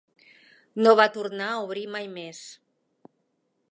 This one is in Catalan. No va tornar a obrir mai més.